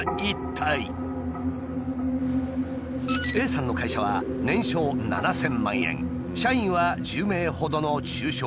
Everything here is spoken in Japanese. Ａさんの会社は年商７，０００万円社員は１０名ほどの中小企業。